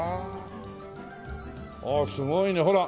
ああすごいねほら